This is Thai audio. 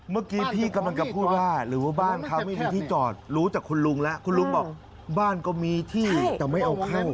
เมื่อกี้พี่กำลังจะพูดว่าหรือว่าบ้านเขาไม่มีที่จอดรู้จากคุณลุงแล้วคุณลุงบอกบ้านก็มีที่แต่ไม่เอาเข้า